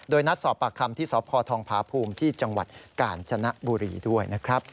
โดยนัดสอบปากคำที่สทพภภูมิที่จังหวัดกาญจนบุรีด้วย